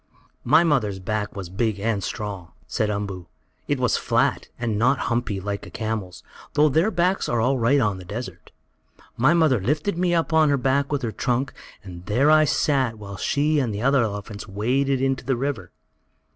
"My mother's back was big and strong," said Umboo. "It was flat, and not humpy, like a camel's, though their backs are all right on the desert. My mother lifted me up on her back with her trunk, and there I sat while she and the other elephants waded into the river."